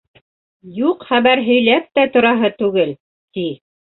Юҡ хәбәр һөйләп тә тораһы түгел, ти!